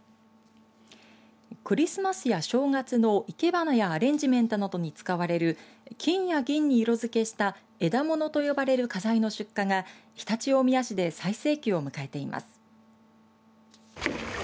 クリスマスや正月の生け花やアレンジメントなどに使われる金や銀に色づけした枝物と呼ばれる花材の出荷が常陸大宮市で最盛期を迎えています。